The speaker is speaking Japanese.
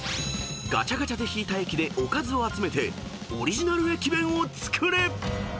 ［ガチャガチャで引いた駅でおかずを集めてオリジナル駅弁を作れ］